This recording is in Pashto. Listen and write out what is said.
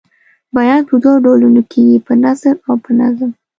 بیان په دوو ډولونو کیږي په نثر او په نظم.